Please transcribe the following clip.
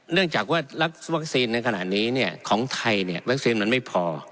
เนื่องจากว่าวัคซีนในขณะนี้เนี่ยของไทยเนี่ยแว็กซีนมันไม่พอ